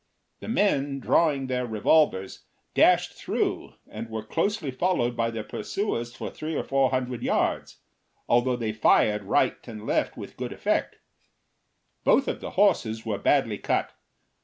The men, drawing their revolvers, dashed through and were closely followed by their pursuers for three or four hundred yards, although they fired right and left with good effect. Both of the horses were badly cut.